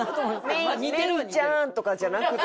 「メイちゃーん」とかじゃなくて。